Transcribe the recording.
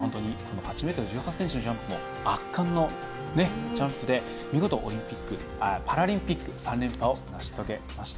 ただ、この８ｍ１８ｃｍのジャンプも圧巻のジャンプで見事パラリンピック３連覇を成し遂げました。